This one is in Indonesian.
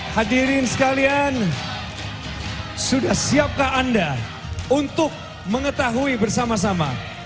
hadirin sekalian sudah siapkah anda untuk mengetahui bersama sama